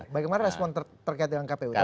bagaimana respon terkait dengan kpu ini